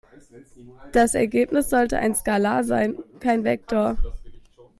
Das Ergebnis sollte ein Skalar sein, kein Vektor.